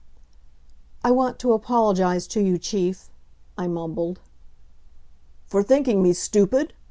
"I want to apologize to you, Chief," I mumbled. "For thinking me stupid?